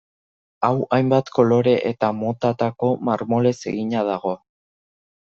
Hau hainbat kolore eta motatako marmolez egina dago.